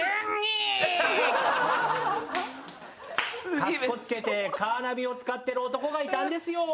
かっこつけてカーナビを使ってる男がいたんですよ。